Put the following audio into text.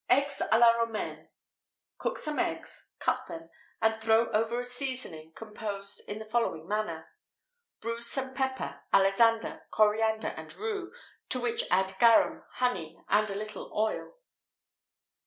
[XVIII 81] Eggs à la Romaine. Cook some eggs; cut them, and throw over a seasoning composed in the following manner. Bruise some pepper, alisander, coriander, and rue, to which add garum, honey, and a little oil.